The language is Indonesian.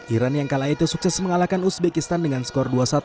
iran yang kala itu sukses mengalahkan uzbekistan dengan skor dua satu